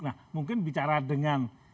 nah mungkin bicara dengan